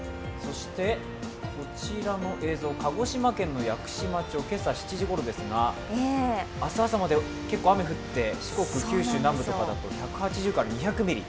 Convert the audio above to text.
こちらの映像、鹿児島県の屋久島町、今朝７時ごろですが、明日朝まで結構、雨が降って、四国、九州南部とかだと１８０から２００ミリ。